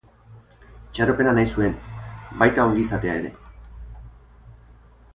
Itxaropena nahi zuen, baita ongi-izatea ere.